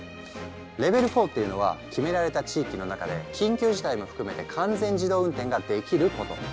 レベル４っていうのは決められた地域の中で緊急事態も含めて完全自動運転ができること。